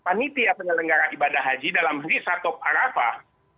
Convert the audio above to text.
panitia penyelenggara ibadah haji dalam segi satok arafah